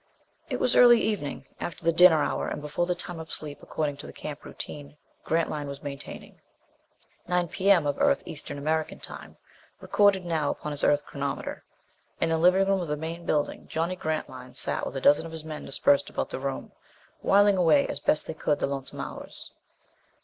It was early evening. After the dinner hour and before the time of sleep according to the camp routine Grantline was maintaining. Nine P.M. of Earth Eastern American time, recorded now upon his Earth chronometer. In the living room of the main building Johnny Grantline sat with a dozen of his men dispersed about the room, whiling away as best they could the lonesome hours.